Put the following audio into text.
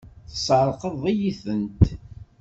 Tesεeṛqeḍ-iyi-tent!